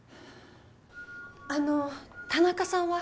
あの田中さんは？